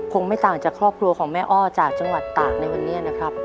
ไม่ต่างจากครอบครัวของแม่อ้อจากจังหวัดตากในวันนี้นะครับ